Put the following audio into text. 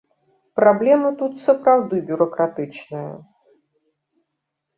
Праблема тут сапраўды бюракратычная.